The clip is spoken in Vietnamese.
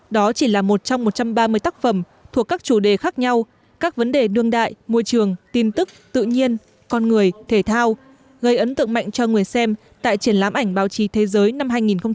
đó chỉ là một trong một trăm ba mươi tác phẩm thuộc các chủ đề khác nhau các vấn đề đương đại môi trường tin tức tự nhiên con người thể thao gây ấn tượng mạnh cho người xem tại triển lãm ảnh báo chí thế giới năm hai nghìn một mươi tám